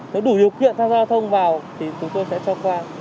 nếu đủ điều kiện tham gia thông vào thì chúng tôi sẽ cho khoa